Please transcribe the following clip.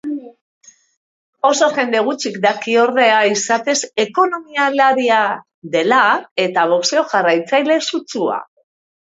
Oso jende gutxik daki ordea izatez ekonomialaria dela, eta boxeo jarraitzaile sutsua.